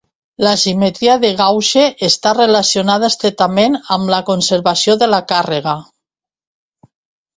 La simetria de gauge està relacionada estretament amb la conservació de la càrrega.